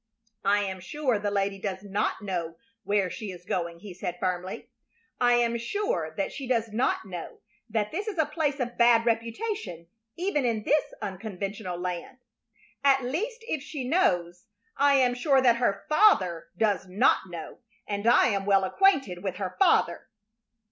"I am sure the lady does not know where she is going," he said, firmly. "I am sure that she does not know that it is a place of bad reputation, even in this unconventional land. At least, if she knows, I am sure that her father does not know, and I am well acquainted with her father."